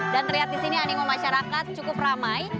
dan terlihat di sini animo masyarakat cukup ramai